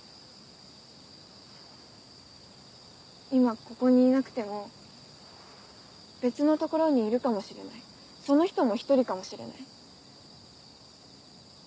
今ここにいなくても別のところにいるかもしれないその人も１人かもしれない。